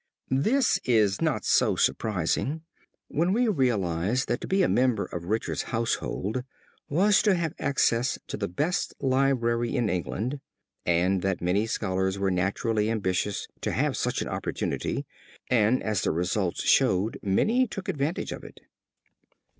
This is not so surprising when we realize that to be a member of Richard's household was to have access to the best library in England, and that many scholars were naturally ambitious to have such an opportunity, and as the results showed many took advantage of it.